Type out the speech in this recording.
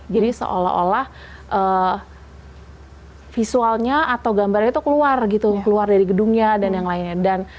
jadi seolah olah visualnya atau gambarnya itu keluar gitu keluar dari gedungnya dan yang lainnya